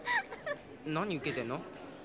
何ウケてんの？